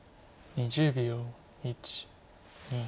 ２０秒。